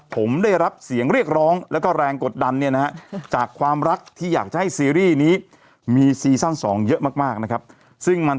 ผมได้รับเสียงเรียกร้องและแรงกดดัน